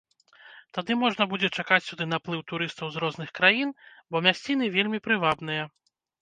Тады можна будзе чакаць сюды наплыву турыстаў з розных краін, бо мясціны вельмі прывабныя.